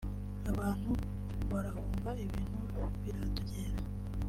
abantu barahunga ibintu biradogera